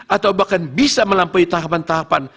atau bahkan bisa melampaui tahapan tahapan